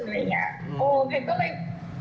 อืมแค่ก็เลย